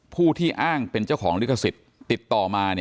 ผู้ที่อ้างเป็นเจ้าของลิขสิทธิ์ติดต่อมา